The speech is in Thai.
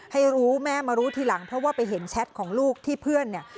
ให้รู้แม่มารู้ทีหลังเพราะว่าไปเห็นแชทของลูกที่เพื่อนเนี่ย